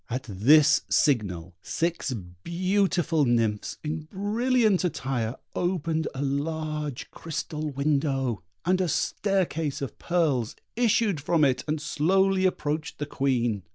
At this signal six beautiful nymphs, in brilliant attire, opened a large crystal window, and a staircase of pearls issued from it and slowly approached the Queen.